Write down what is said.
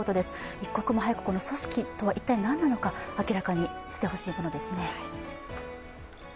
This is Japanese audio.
一刻も早く、この組織とは何なのか明らかにしてほしいものですね。